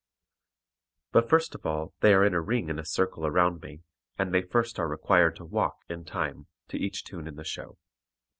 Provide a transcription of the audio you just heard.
But first of all they are in a ring in a circle around me, and they first are required to walk in time to each tune in the show.